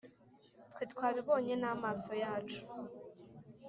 twe twabibonye n’amaso yacu